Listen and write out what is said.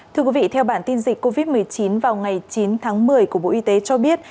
thưa quý vị theo bản tin dịch covid một mươi chín vào ngày chín tháng một mươi của bộ y tế cho biết